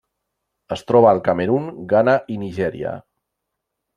Es troba al Camerun, Ghana i Nigèria.